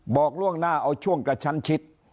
บอกล่วงหน้าเอาช่วงกระชั้นชิด